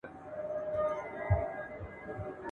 یوه ځوان وو په خپل کور کي سپی ساتلی ..